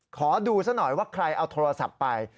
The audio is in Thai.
ขอดูซะหน่อยว่าใครเอาโทรศัพท์ไป